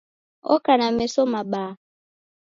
Oka na meso mabaha